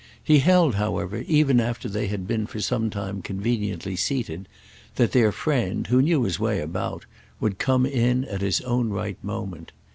He held, however, even after they had been for some time conveniently seated, that their friend, who knew his way about, would come in at his own right moment.